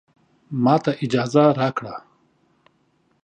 ماته اجازه راکړه